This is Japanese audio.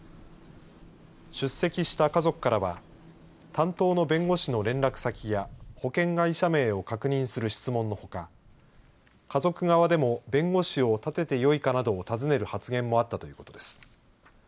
出席した家族からは担当の弁護士の連絡先や保険会社名を確認する質問のほか家族側でも弁護士を立ててよいかなどを尋ねる発言もあったということです。